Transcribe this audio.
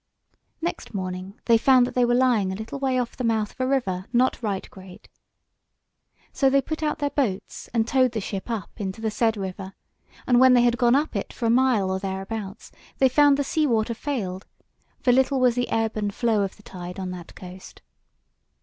Next morning they found that they were lying a little way off the mouth of a river not right great; so they put out their boats and towed the ship up into the said river, and when they had gone up it for a mile or thereabouts they found the sea water failed, for little was the ebb and flow of the tide on that coast.